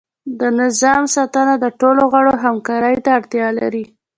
د نظام ساتنه د ټولو غړو همکاری ته اړتیا لري.